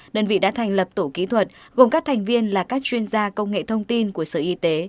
đơn vị đã thành lập tổ kỹ thuật gồm các thành viên là các chuyên gia công nghệ thông tin của sở y tế